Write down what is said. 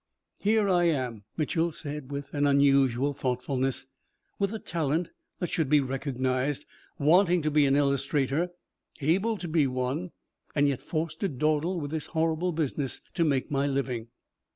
"Here I am," Mitchel said with an unusual thoughtfulness, "with a talent that should be recognized, wanting to be an illustrator, able to be one, and yet forced to dawdle with this horrible business to make my living."